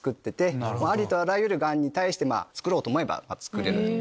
ありとあらゆるがんに対して作ろうと思えば作れる。